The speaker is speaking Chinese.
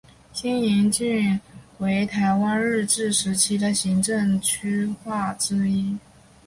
新营郡为台湾日治时期的行政区划之一。